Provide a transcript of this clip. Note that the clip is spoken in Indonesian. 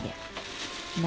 dimainkan bersama cucunya